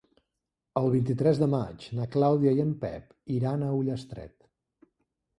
El vint-i-tres de maig na Clàudia i en Pep iran a Ullastret.